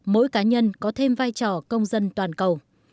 mỗi cá nhân có thêm vai trò công dân toàn cầu